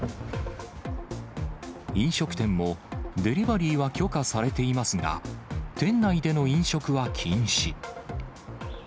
飲食店も、デリバリーは許可されていますが、店内での飲食は禁止。